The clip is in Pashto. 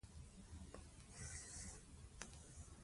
د روغتیا لپاره پیسې پکار دي.